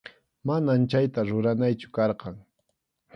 Manam chayta ruranaychu karqan.